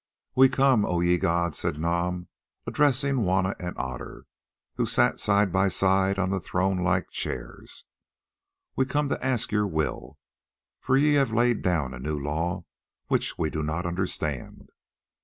"We come, O ye gods," said Nam, addressing Juanna and Otter, who sat side by side on the throne like chairs: "we come to ask your will, for ye have laid down a new law which we do not understand.